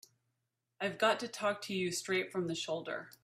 I've got to talk to you straight from the shoulder.